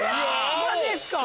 マジっすか！